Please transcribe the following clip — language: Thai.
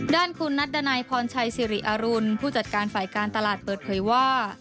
ด้านคุณนัดดันัยพรชัยสิริอรุณผู้จัดการฝ่ายการตลาดเปิดเผยว่า